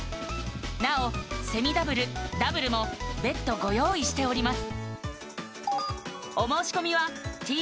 なおセミダブルダブルも別途ご用意しております